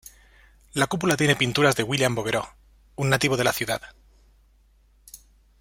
La cúpula tiene pinturas de William Bouguereau, un nativo de la ciudad.